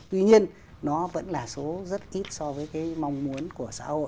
tuy nhiên nó vẫn là số rất ít so với cái mong muốn của xã hội